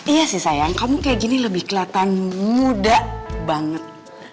iya sih sayang kamu kayak gini lebih kelihatan muda banget